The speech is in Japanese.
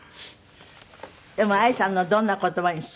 でも愛さんのどんな言葉に救われた？